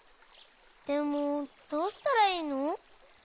でもどうしたらいいの？